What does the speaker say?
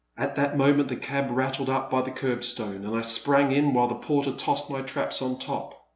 At that moment the cab rattled up by the curb stone, and I sprang in while the porter tossed my traps on top.